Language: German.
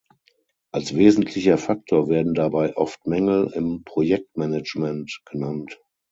Als wesentlicher Faktor werden dabei oft Mängel im Projektmanagement genannt.